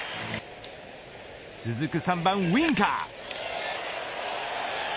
続く３番、ウインカー。